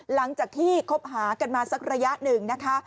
หลังจากที่คบหากันมาสักระยะหนึ่งนะคะ